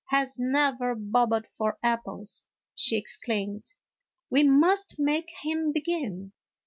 has never bobbed for apples !" she exclamed ;" we must make him begin."